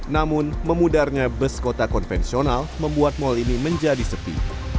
namun memudarnya bus kota konvensional membuat mal ini menjadi sepi